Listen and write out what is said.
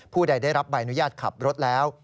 ใดได้รับใบอนุญาตขับรถแล้ว